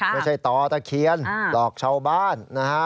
ไม่ใช่ตอตะเคียนหลอกชาวบ้าน